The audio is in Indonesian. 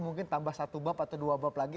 mungkin tambah satu bab atau dua bab lagi